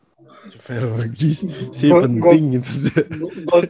javel mcgee sih penting gitu